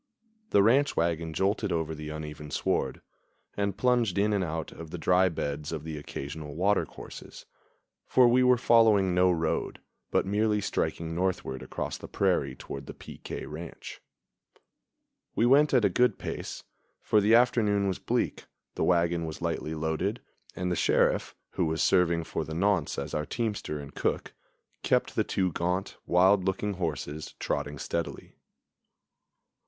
The ranch wagon jolted over the uneven sward, and plunged in and out of the dry beds of the occasional water courses; for we were following no road, but merely striking northward across the prairie toward the P. K. ranch. We went at a good pace, for the afternoon was bleak, the wagon was lightly loaded, and the Sheriff, who was serving for the nonce as our teamster and cook, kept the two gaunt, wild looking horses trotting steadily.